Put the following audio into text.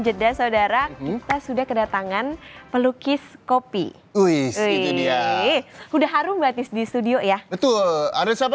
jeda saudara kita sudah kedatangan pelukis kopi udah harum batis di studio ya betul ada siapa